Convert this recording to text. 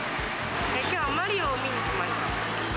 きょうはマリオを見に来まし